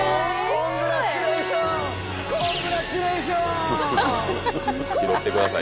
コングラチュレーション！